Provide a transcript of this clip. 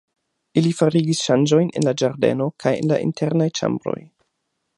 Ili farigis ŝanĝojn en la ĝardeno kaj en la internaj ĉambroj.